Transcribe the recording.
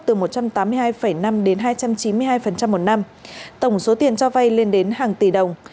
từ một trăm tám mươi hai năm đến hai trăm chín mươi hai một năm tổng số tiền cho vay lên đến hàng tỷ đồng